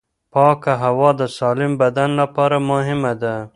پاکه هوا د سالم بدن لپاره مهمه ده.